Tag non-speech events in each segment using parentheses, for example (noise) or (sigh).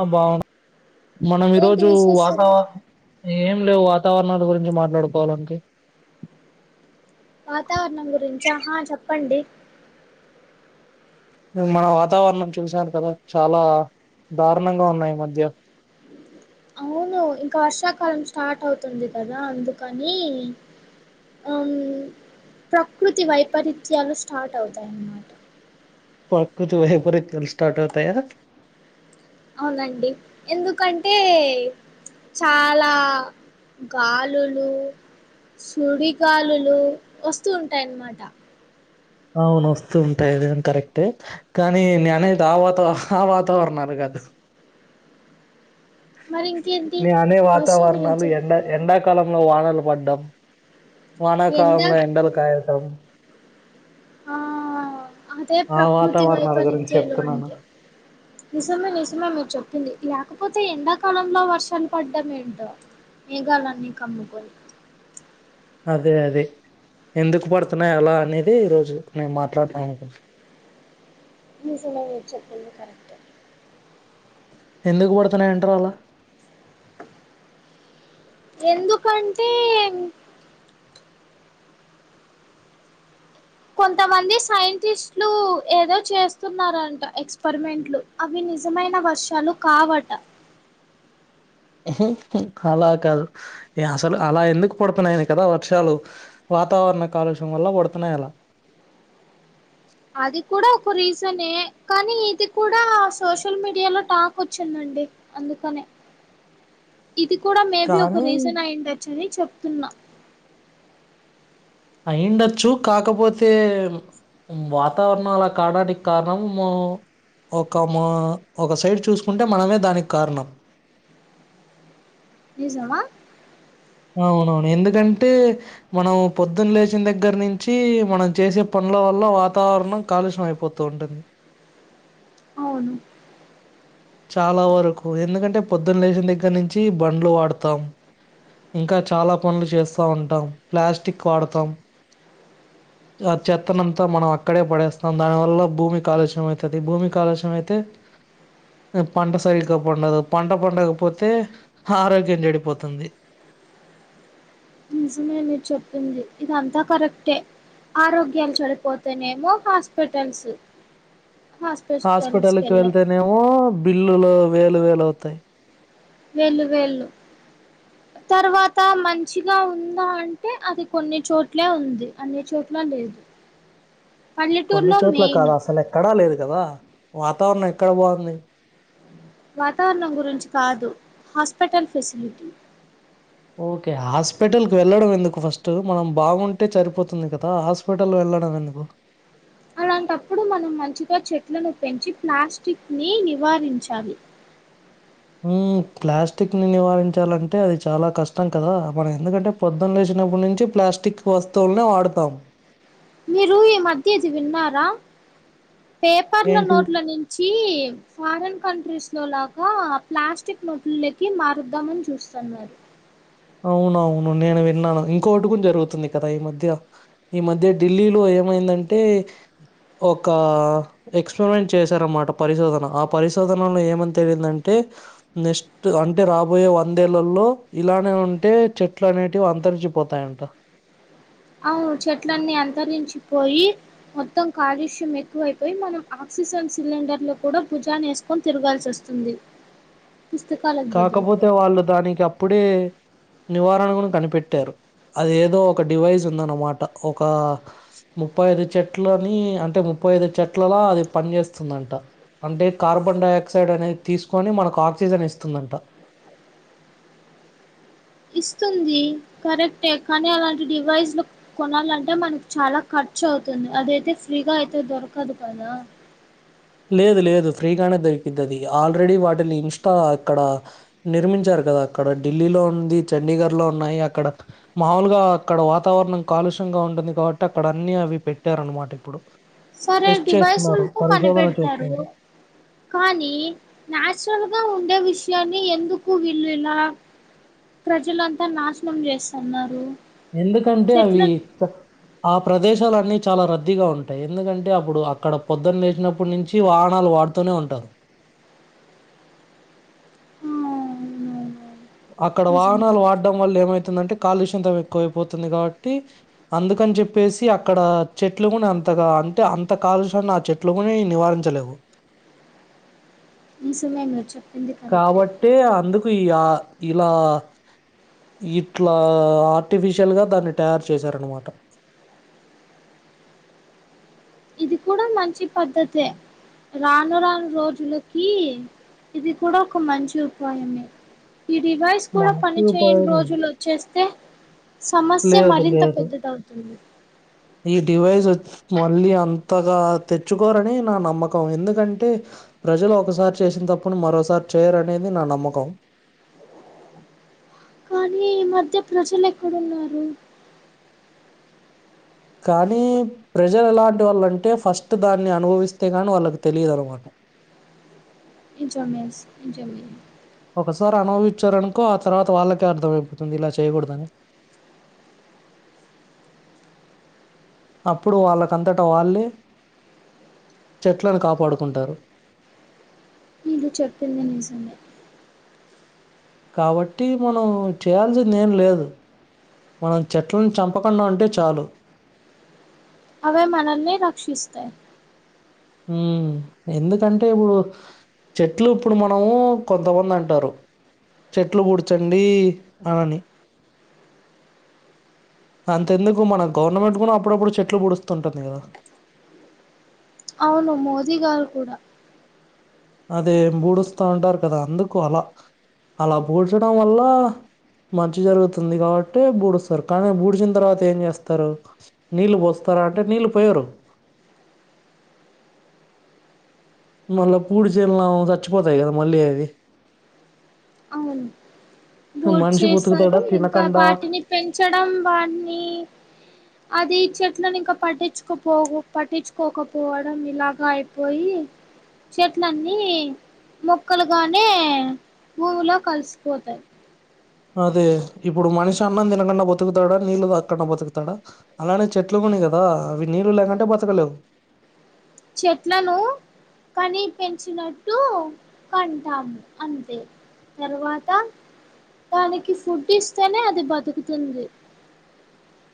అబ్బా మనం ఏంటి ఈరోజు వాతా విశేషాలు ఏం లేవు వాతావరణాల గురించి మాట్లాడుకోవాలా అంతే వాతావరణం గురించా హా చెప్పండి మన వాతావరణం చూశాను కదా చాలా దారుణంగా ఉన్నాయి ఈ మధ్య ము ఇంకా వర్షాకాలం స్టార్ట్ అవుతుంది కదా అందుకని ఆ ప్రకృతి వైపరీత్యాలు స్టార్ట్ అవుతాయి అన్నమాట ప్రకృతి వైపరీత్యాలు స్టార్ట్ అవుతాయ అవునండి ఎందుకంటే చాలా గాలులు సుడిగాలులు వస్తూ ఉంటాయి అనమాట అవును వస్తూ ఉంటాయి అది గాని కరెక్టే కానీ నే అనేది ఆ వాతా ఆ వాతావరణాలు కాదు మరి ఇంకేంటి నే అనే వర్షం వాతావరణాలు గురించా ఎండ ఎండా ఎండ కాలంలో వానలు పడడం ఎండ వానాకాలంలో ఎండలు కాయటం ఆ అదే ఆ ప్రకృతి వాతావరణాల గురించి వైపరీత్యాలు చెప్తున్నాను అంటే నిజమే నిజమే మీరు చెప్పింది ఇలా కాకపోతే ఎండాకాలంలో వర్షాలు పడ్డం ఏంటో మేగాాలన్ని కమ్ముకొని అదే అదే ఎందుకు పడుతున్నాయి అలా అనేది ఈ రోజు మేము మాట్లాడుదాం అనుకుంటున్నాం నిజమే మీరు చెప్పింది కరెక్టే ఎందుకు పడుతున్నాయి అంటారు అలా ఎందుకంటే కొంతమంది సైంటిస్ట్లు ఏదో చేస్తున్నారంట ఎక్స్పరిమెంట్లు అవి నిజమైన వర్షాలు కావట అలా కాదు అసలు అలా ఎందుకు పడుతున్నాయని కదా వర్షాలు వాతావరణ కాలుష్యం వల్ల పడుతున్నాయి అలా అది కూడా ఒక రీజనే కానీ ఇది కూడా సోషల్ మీడియా లో టాక్ వచ్చిందండి అండి అందుకనే ఇది కూడా మేబి ఒక కానీ రీజన్ అయిండొచ్చు అని చెప్తున్నా అయిండొచ్చు కాకపోతే వాతావరణం అలా కావడానికి కారణం ఒక మా ఒక సైడ్ చూసుకుంటే మనమే దానికి కారణం నిజమా అవునవును ఎందుకంటే మనం పొద్దున్న లేచిన దగ్గర నుంచి మనం చేసే పనులు ల వల్ల వాతావరణం కాలుష్యంమయిపోతూ ఉంటుంది అవును చాలా వరకు ఎందుకంటే పొద్దున్న లేచిన దగ్గర నుంచి బండ్లు వాడతాం ఇంకా చాలా పనులు చేస్తా ఉంటాం ప్లాస్టిక్ వాడతాం ఆ చెత్తనంతా మనం అక్కడే పడేస్తాం దాని వల్ల భూమి కాలుష్యం అవుతది భూమి కాలుష్య అయితే పంట సరిగ్గా పండదు పంట పండకపోతే ఆరోగ్యం చెడిపోతుంది నిజమే మీరు చెప్పింది ఇది అంతా కరెక్టే ఆరోగ్యాలు చెడిపోతేనేమో హాస్పిటల్స్ హాస్పిటల్కి హాస్పిటల్స్కెళ్ళే వెళ్తేనేమో బిల్లులు వేలు వేలు అవుతాయి వెళ్ళు వెళ్ళు తర్వాత మంచిగా ఉందా అంటే అది కొన్ని చోట్లే ఉంది అన్ని చోట్ల లేదు కొన్ని పల్లెటూరులో చోట్ల మెయిన్ కాదుా అసలు ఎక్కడా లేదు కదా వాతావరణం ఎక్కడ బాంది వాతావరణం గురించి కాదు హాస్పిటల్ ఫెసిలిటీ ఓకే హాస్పిటల్ క వెళ్ళడం ఎందుకు ఫస్ట్ మనం బాగుంటే సరిపోతుంది కదా హాస్పిటల్ వె వెల్లడమెందుకు అలాంటప్పుడు మనం మంచిగా చెట్లను పెంచి ప్లాస్టిక్ ని నివారించాలి ప్లాస్టిక్ నివారించాలంటే అది చాలా కష్టం కదా మనం ఎందుకంటే పొద్దున్న లేచి చిన్నప్పటి నుంచి ప్లాస్టిక్ వస్తువులనే వాడుతాం మీరూ ఈ మధ్యది విన్నారా పేపర్ల ఏంటి నోట్ల నుంచి ఫారిన్ కంట్రీస్ లోలగా ప్లాస్టిక్ నోట్లోకి మారుద్దామని చూస్తున్నారు అవునవును నేను విన్నాను ఇంకోకటి కూడా జరుగుతుంది కదా ఈ మధ్య ఈ మధ్య ఢిల్లీలో ఏమైందంటే ఒక ఎక్స్పెరిమెంట్ చేశారన్నమాట పరిశోధన ఆ పరిశోధనలో ఏమని తెలిందంటే నెక్స్ట్ అంటే రాబోయే వందేళ్లలో ఇలాంటి ఉంటే చెట్లు అనేటివి అంతరించిపోతాయంట అవును అ చెట్లన్నీ అంతరించిపోయి మొత్తం కాలుష్యం ఎక్కువైపోయి మనం ఆక్సి ఆక్సిజన్ సిలిండర్లు కూడా భుజాన వేసుకొని తిరగాల్సి వస్తుంది (inaudible) పుస్తకాలకు బదులు కాకపోతే వాళ్ళు దానికి అప్పుడే నివారణకు కనిపెట్టారు అది ఏదో ఒక డివైస్ ఉందన్నమాట ఒక ముప్పై ఐదు చెట్లని అంటే ముప్పై ఐదు చెట్లలా అది పనిచేస్తుందంట అంటే కార్బన్ డైఆక్సైడ్ అనేది తీసుకొని మనకు ఆక్సిజన్ ఇస్తం ఇస్తూదంట ఇస్తుంది కరెక్టే కానీ అలాంటి డివైస్లు కొనాలంటే మనకి చాలా కట్ ఖర్చ అవుతుంది అద అయితే ఫ్రీగా అయితే దొరకదు కదా (inaudible) లేదు లేదు ఫ్రీగానే దొరికిద్దది ఆల్రెడీ వాటిని ఇన్స్టా అక్కడ నిర్మించారు కదా అక్కడ ఢిల్లీలో ఉంది, చండీఘర్ లో ఉన్నాయి, అక్కడ మాలుగా అక్కడ వాతావరణం కాలుష్ గా ఉంటుంది కాబట్టి అక్కడ అన్ని అవి పెట్టారు అన్నమాట ఇప్పుడు సరే టెస్ట్ చేస్తున్నారు డివైసులతో పరిశోధన పనిపెడు తారు చేస్తున్నారు కానీ నాచురల్ గా ఉండే విషయాన్ని ఎందుకు వీళ్ళు ఇలా ప్రజలంతా నాశనం చేస్తున్నారు ఎందుకంటే చెట్ల అవి చక్ ఆ ప్రదేశాల అన్నీ చాలా రద్దీగా ఉంటాయి. ఎందుకంటే అప్పుడు అక్కడ పొద్దున్న లేచినప్పుడు నుంచి వాహనాలు వాడుతూనే ఉంటారు. ఆ అవునవును అక్కడ నిజమే వాహనాలు వాడం వల్ల ఏమైతుందంటే కాలుష్యతం ఎక్కువైపోతుంది కాబట్టి అందుకని చెప్పేసి అక్కడ చెట్లు కూడా అంతగా అంటే అంత కాలుష్యన్ని ఆ చెట్లు కూని నివారించలేవు ఈ సమయం లో చెప్ కాబట్టే అందుకు ఈ య ఇలా ఇట్లా ఆర్టిఫిషియల్ గా దాన్ని తయారు చేశారనమాట ఇది కూడా మంచి పద్ధతే రాను రాను రోజులకి ఇది కూడా ఒక మంచి ఉపాయమే ఈ డివైస్ కూడా మనకు పనిచేయని రోజులు వచ్చేస్తే సమస్య లేదు మరింత లేదు పెద్దదవుతుంది‌. ఈ డివైస్ ఒ మళ్ళీ అంతగా తెచ్చుకోరని నా నమ్మకం ఎందుకంటే ప్రజలు ఒకసారి చేసిన తప్పును మరోసారి చేయరనేది నా నమ్మకం కానీ ఈ మధ్య ప్రజలు ఎక్కడున్నారు‌. కానీ ప్రెజల్ ఎలాంటి వాళ్ళంటే ఫస్ట్ దాన్ని అనుభవిస్తే కానీ వాళ్ళకి తెలియదు అనమాట (inaudible) ఇంచమెస్ ఇంచమే ఒకసారి అనుభవిచ్చారనుకో ఆ తర్వాత వాళ్ళకే అర్థమయిపోతుంది ఇలా చేయకూడదని అప్పుడు వాళ్ళకంతట వాళ్ళే చెట్లను కాపాడుకుంటారు. మీరు చెప్పింది నిజమే కాబట్టి మనం చేయాల్సిందేం లేదు. మనం చెట్లను చంపకుండా ఉంటే చాలు అవే మనల్ని రక్షిస్తయ్ ఊ ఎందుకంటే ఇప్పుడు చెట్లు ఇప్పుడు మనము కొంతమంది అంటారు చెట్లు కూడ్చండి ఆని అంతెందుకు మన గవర్నమెంట్ కూడా అప్పుడప్పుడు చెట్లు పూడుస్తుంటుంది కదా అవును మోదీ గారు కూడా అదే బూడుస్తా ఉంటారు కదా అందుకు అలా అలా బూడ్చడం వల్ల మంచి జరుగుతుంది కాబట్టే బూడుస్తారు కానీ బూడిచిన తర్వాత ఏం చేస్తారు నీళ్ళు పోస్త రాంటే నీళ్ళు పోయరు మళ్ళ పూడ్సేం లాభం సచ్చిపోతాయి కదా మళ్ళీ అవి. బోడ్ మనిషి చేసారు బతుకుతాడా ఇంకా తినకుండా వాటిని పెంచడం వాని అది ఈ చెట్లను ఇంకా పట్టించుకోపో పట్టించుకోకపోవడం ఇలాగ అయిపోయి చెట్లన్నీ మొక్కలుగానే భూమిలో కలిసిపోతాయ్ అదే ఇప్పుడు మనిషి అన్నం తినకుండా బతుకుతాడా నీళ్ళు దాక్కండా బతుకుతాడా అలానే చెట్లు గూడా గదా అవి నీళ్ళు లేకుంటే బతకలేవు చెట్లను కనీ పెంచినట్టు కంటాము అంతే తర్వాత దానికి ఫుడ్ ఇస్తేనే అది బతుకుతుంది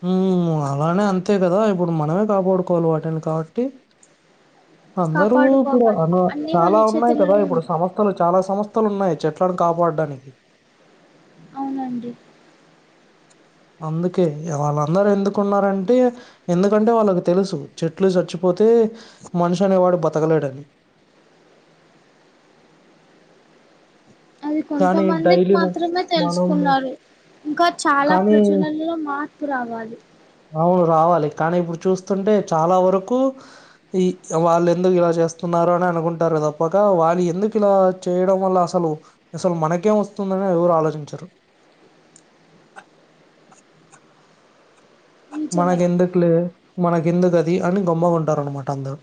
ఉమ్ అలానే అంతే గదా ఇప్పుడు మనమే కాపాడుకోవాలి వాటిని కాబట్టి అందరూ ఇప్పుడు కాపాడుకోవాలి అ అన్నీ చాలా మన ఉన్నాయి కదా చేతుల్లోనే ఇప్పుడు ఉంటాయి సంస్థలు చాలా సంస్ స్థలున్నాయి చెట్లను కాపాడానికి అవునండి అందుకే వాళ్ళందరూ ఎందుకున్నారంటే ఎందుకంటే వాళ్ళకి తెలుసు చెట్లు చచ్చి పోతే మనిషి అనే వాడు బతకలేడని అది కానీ కొంతమందికి డైలీ మాత్రమే మనం తెలుసుకున్నారు ఇంకా చాలా కానీ ప్రజలలో మార్పు రావాలి అవును రావాలి కానీ ఇప్పుడు చూస్తుంటే చాలా వరకు ఈ వాళ్ళ ఎందుకు ఇలా చేస్తు న్నారో అని అనుకుంటారు తప్పక వాళ్ళు ఎందుకు ఇలా చేయడం వల్ల అసలు అసలు మనకేం వస్తుందని ఎవరు ఆలోచించరు నిజమే మనకు ఎందుకులే మన కెందుకది అని గమ్ముగుంటారు అన్నమాట అందరు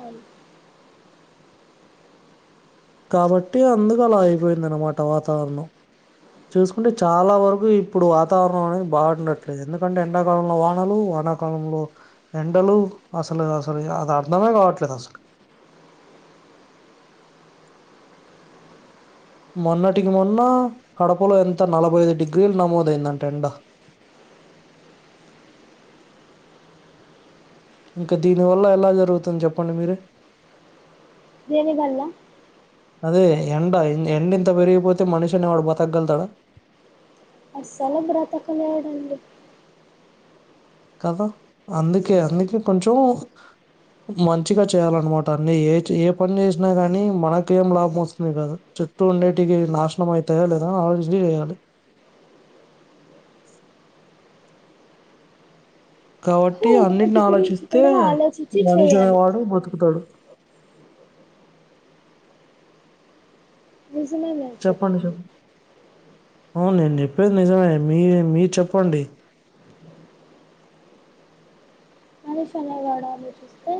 అవును కాబట్టి అందు కలా అయిపోయిందన్నమాట వాతావరణం చూసుకుంటే చాలా వరకు ఇప్పుడు వాతావరణం అనేది బాగుండట్లేదు ఎందుకంటే ఎండాకాలంలో వానలు వానా కాలంలో ఎండలు అసలు అసలు అది అర్ధమే కావట్లేదు అసలు (inaudible) మొన్నటికి మొన్న కడపలో ఎంత నలభై ఐదు డిగ్రీలు నమోదయిందంట ఎండ (inaudible) ఇంకా దీని వల్ల ఎలా జరుగుతుంది జెప్పండి మీరే దేని వల్ల అదే ఎండ ఎండ ఇంత పెరిగిపోతే మనిషనే వాడు బతగలుగుతాడా అస్సలు బ్రతకలేడండి కదా అందుకే అందుకే కొంచం మంచిగా చేయాలన్నమాట అన్ని ఏ ఏ పని జేసినా గానీ మనకేం లాభం వస్తుంది గాదు చుట్టూ ఉండేటికి నాశనం అవుతాయో లేదా ఆలోచించి చేయాలి (inaudible) హో, కాబట్టి అన్నిటిని వాటి గురించి ఆలోచిస్తే కూడా ఆలోచించి మనిషి చేయాలి అనేవాడు బతుకుతాడు నిజమే మీరు చెప్పండి చెప్పింది చెప్పండి అవును నేన్ చెప్పేది నిజమే మీ మీర్ చెప్పండి (inaudible) మనిషనేవాడు ఆలోచిస్తే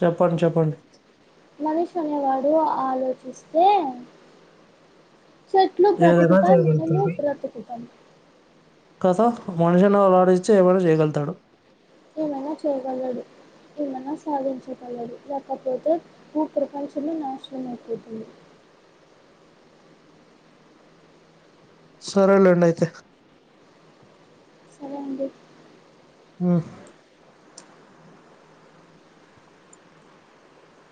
చెప్పండి చెప్పండి మనిషి అనేవాడు ఆలోచిస్తే చెట్లు ఏదైనా బ్రతుకుతాయ్ మనము బ్రతుకుతాం కథ మనిషిని అలాడిచ్చే ఏమైనా చేయగలుగుతాడు అల చేయగలదు ఏమనా సాధించగలడు లేకపోతే బు ప్రపంచంలో నాశనం అయిపోతుంది - (inaudible) సరే లేండయితే సరే అండి మ్